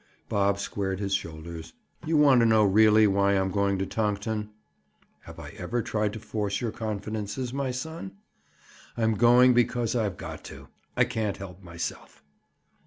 Bob squared his shoulders. "You want to know really why I'm going to Tonkton?" "Have I ever tried to force your confidences, my son?" "I'm going because I've got to. I can't help myself."